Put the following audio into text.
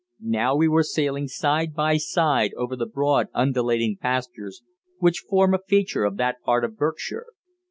Now we were sailing side by side over the broad, undulating pastures which form a feature of that part of Berkshire.